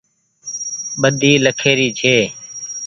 ٻۮي لکيِ ري ڇي